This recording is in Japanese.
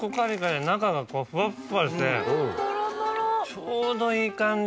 ちょうどいい感じ。